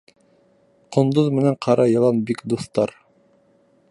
Ҡондоҙ менән ҡара йылан бик дуҫтар.